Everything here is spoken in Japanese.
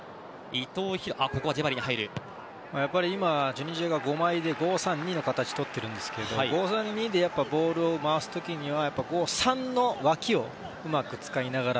やっぱり今チュニジアが５枚で５−３−２の形をとってるんですけど５−３−２でボールを回す時には３の脇をうまく使いながら。